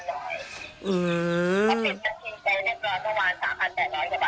เดี๋ยวหนี้๓๐๐๐กว่าบาทเราจะยิ้มบัญชีแล้ว